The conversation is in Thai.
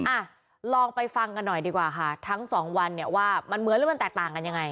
อ่ะลองไปฟังกันหน่อยดีกว่าค่ะทั้งสองวันเนี่ยว่ามันเหมือนหรือมันแตกต่างกันยังไง